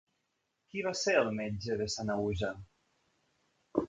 Qui va ser el metge de Sanahuja?